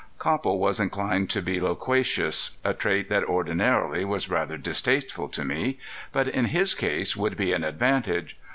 Copple was inclined to be loquacious a trait that ordinarily was rather distasteful to me, but in his case would be an advantage.